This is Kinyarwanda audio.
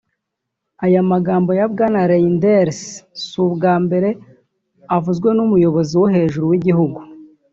Aya magambo ya Bwana Reynders si ubwa mbere avuzwe n’umuyobozi wo hejuru w’igihugu